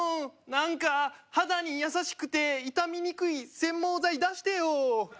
何か「肌にやさしくていたみにくい染毛剤出してよ」。